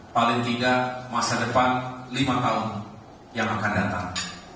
paling tidak masa depan lima tahun yang akan datang